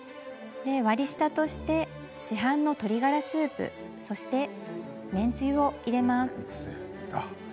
割り下として市販の鶏ガラスープ麺つゆを入れます。